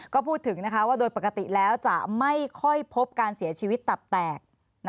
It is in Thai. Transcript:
ก็พูดถึงว่าโดยปกติแล้วจะไม่ค่อยพบการเสียชีวิตตับแตก